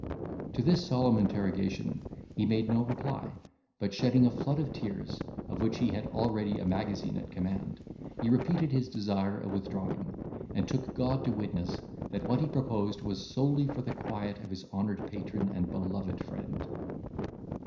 To this solemn interrogation he made no reply, but shedding a flood of tears, of which he had always a magazine at command, he repeated his desire of withdrawing, and took God to witness, that what he proposed was solely for the quiet of his honoured patron and beloved friend.